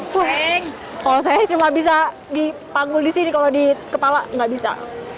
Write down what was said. puing kalau saya cuma bisa dipanggul di sini kalau di kepala nggak bisa